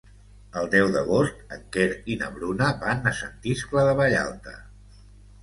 El deu d'agost en Quer i na Bruna van a Sant Iscle de Vallalta.